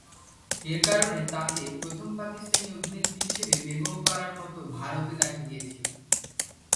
এর কারণে তাঁকে প্রথম পাকিস্তানি অভিনেত্রী হিসেবে বেগম পারার মতো ভারতে দেখা গিয়েছিল।